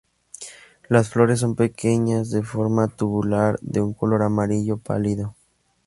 Las flores son pequeñas de forma tubular, de un color amarillo pálido.